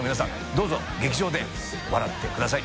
匹Δ劇場で笑ってください